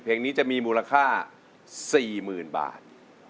เพลงนี้จะมีมูลค่า๔๐๐๐บาท